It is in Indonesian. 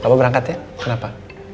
apa berangkatnya kenapa